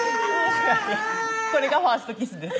それがファーストキスです